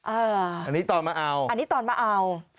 อันนี้ตอนมาเอา